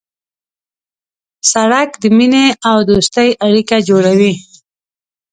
سړک د مینې او دوستۍ اړیکه جوړوي.